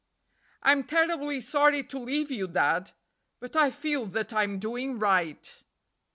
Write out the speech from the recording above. "I'm terribly sorry to leave you, Dad, But I feel that I'm doing right."